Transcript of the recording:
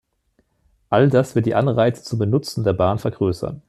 All das wird die Anreize zum Benutzen der Bahn vergrößern.